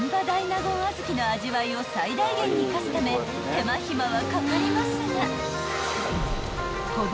［手間暇はかかりますが］